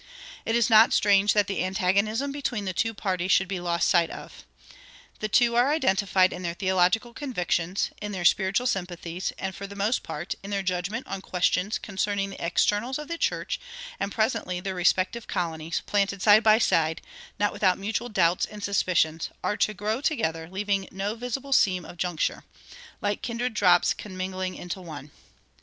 It is not strange that the antagonism between the two parties should be lost sight of. The two are identified in their theological convictions, in their spiritual sympathies, and, for the most part, in their judgment on questions concerning the externals of the church; and presently their respective colonies, planted side by side, not without mutual doubts and suspicions, are to grow together, leaving no visible seam of juncture, Like kindred drops commingling into one.